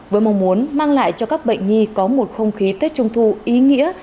với mong muốn mang lại cho các bệnh nhi có một không khí tết trung thu ý nghĩa